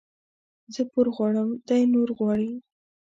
زه پور غواړم ، دى نور غواړي.